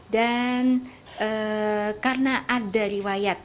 dan karena ada riwayat